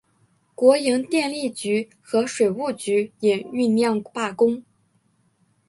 国营电力局和水务局也酝酿罢工。